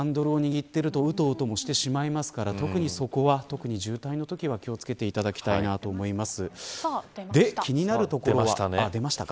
確かにずっとハンドルを握っているとうとうともしてしまいますから特にそこは渋滞のときは気を付けていただきたいと思います。